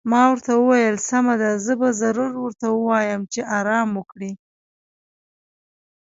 ما ورته وویل: سمه ده، زه به ضرور ورته ووایم چې ارام وکړي.